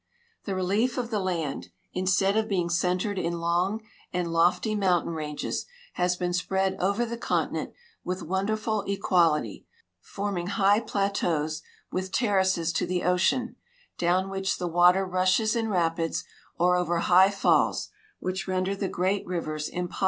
The relief of the land, instead of being centered in long and lofty mountain ranges, lias been spread over the (continent with wonderful efiuality, forming high jilateaus, witli terraces to the ocean, down which the water ruslies in rajiids or over high falls, which render the great rivers impo.